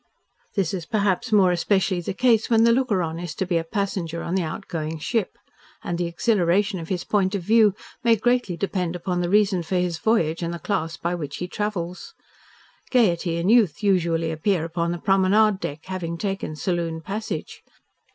This is, perhaps, more especially the case when the looker on is to be a passenger on the outgoing ship; and the exhilaration of his point of view may greatly depend upon the reason for his voyage and the class by which he travels. Gaiety and youth usually appear upon the promenade deck, having taken saloon passage.